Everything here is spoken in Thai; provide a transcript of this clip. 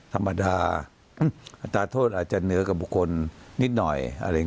ธรรมดาตราโทษอาจจะเหนือกระบุคคลนิดหน่อย